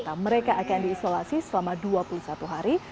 di luar kota mereka akan diisolasi selama dua puluh satu hari